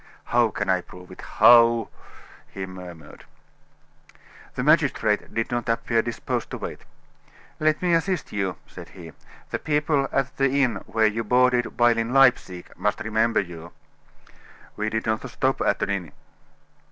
"How can I prove it how?" he murmured. The magistrate did not appear disposed to wait. "Let me assist you," said he. "The people at the inn where you boarded while in Leipsic must remember you." "We did not stop at an inn."